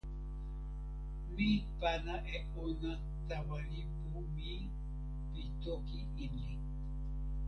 mi pana e ona tawa lipu mi pi toki Inli.